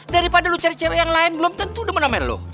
daripada lo cari cewek yang lain belum tentu udah menemen lo